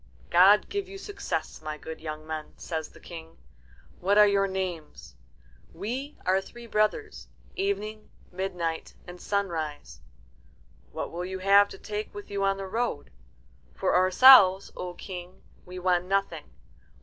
"God give you success, my good young men," says the King. "What are your names?" "We are three brothers Evening, Midnight, and Sunrise." "What will you have to take with you on the road?" "For ourselves, O King, we want nothing.